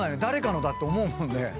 誰かのだって思うもんね。